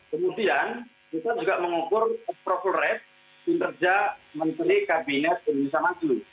kemudian kita juga mengukur approval rate kinerja menteri kabinet indonesia maju